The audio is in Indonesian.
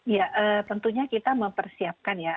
ya tentunya kita mempersiapkan ya